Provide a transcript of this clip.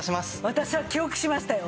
私は記憶しましたよ